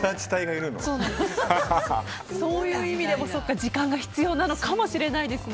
そういう意味でも時間が必要なのかもしれないですね。